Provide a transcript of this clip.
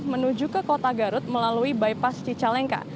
menuju ke kota garut melalui bypass cicalengka